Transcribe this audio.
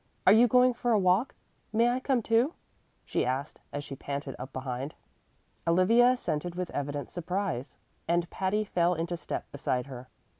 "Are you going for a walk? May I come too?" she asked, as she panted up behind. Olivia assented with evident surprise, and Patty fell into step beside her.